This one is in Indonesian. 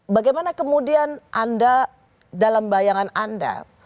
bagaimana kemudian anda dalam bayangan anda